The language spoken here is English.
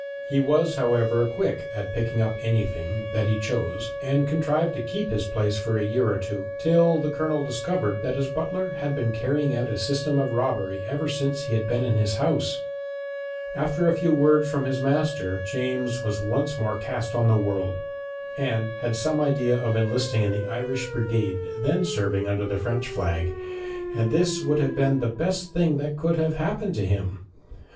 He was, however, quick at picking up anything that he chose and contrived to keep this place for a year or two, till the Colonel discovered that his butler had been carrying out a system of robbery ever since he had been in his house. After a few words from his master, James was once more cast on the world, and had some idea of enlisting in the Irish brigade then serving under the French flag, and this would have been the best thing that could have happened to him.